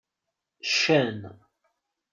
Ccan.